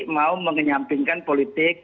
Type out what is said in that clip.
mau menyampingkan politik